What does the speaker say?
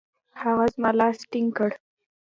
هغه زما لاس ټینګ کړ.